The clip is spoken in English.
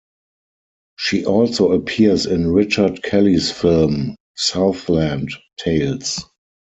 She also appears in Richard Kelly's film "Southland Tales".